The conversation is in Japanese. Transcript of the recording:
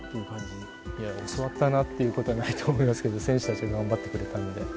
いや教わったなっていう事はないと思いますけど選手たちが頑張ってくれたので。